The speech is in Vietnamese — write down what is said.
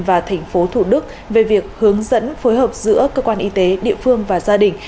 và thành phố thủ đức về việc hướng dẫn phối hợp giữa cơ quan y tế địa phương và gia đình